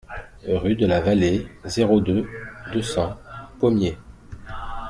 Rue de la Vallée, zéro deux, deux cents Pommiers